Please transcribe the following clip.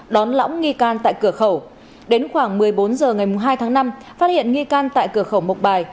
đón lõng nghi can tại cửa khẩu đến khoảng một mươi bốn h ngày hai tháng năm phát hiện nghi can tại cửa khẩu mộc bài